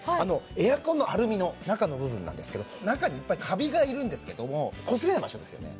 エアコンのアルミの中の部分なんですけど中にいっぱいカビがいるんですけどもこすれない場所ですよね。